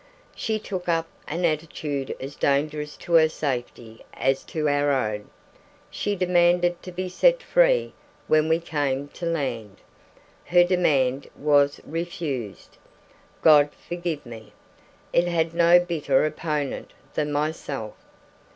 She took up an attitude as dangerous to her safety as to our own. She demanded to be set free when we came to land. Her demand was refused. God forgive me, it had no bitterer opponent than myself!